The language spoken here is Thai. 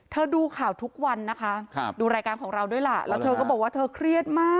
เธอดูข่าวทุกวันนะคะ